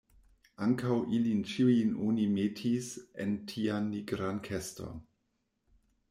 Ankaŭ ilin ĉiujn oni metis en tian nigran keston.